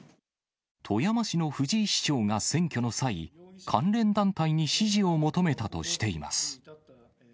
富山市の藤井市長が選挙の際、関連団体に支持を求めたとしています。